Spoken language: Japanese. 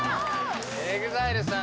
ＥＸＩＬＥさん